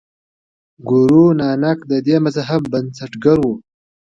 ګورو نانک د دې مذهب بنسټګر و.